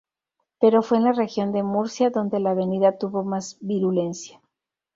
Pero fue en la Región de Murcia donde la avenida tuvo más virulencia.